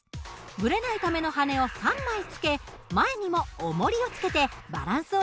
ブレないための羽根を３枚つけ前にもおもりをつけてバランスを取りました。